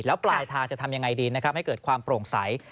แล้วปลายทางจะทำยังไงดีนะครับให้เกิดความโปร่งใส